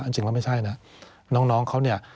จริงแล้วไม่ใช่นะน้องเขาเนี่ย